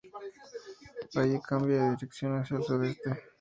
Allí cambia de dirección hacia el sudeste.